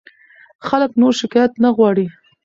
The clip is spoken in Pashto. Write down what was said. خلک نور شکایت نه غواړي.